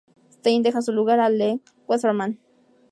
Stein deja su lugar a Lew Wasserman.